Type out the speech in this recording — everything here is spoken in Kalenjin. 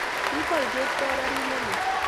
Kakwal Cheptoo garit ne lel